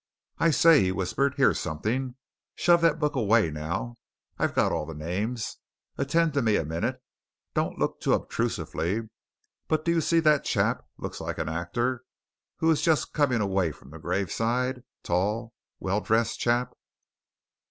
"I say!" he whispered. "Here's something! Shove that book away now I've got all the names and attend to me a minute. Don't look too obtrusively but do you see that chap looks like an actor who is just coming away from the graveside tall, well dressed chap?"